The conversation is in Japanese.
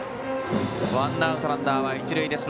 ワンアウト、ランナーは一塁です。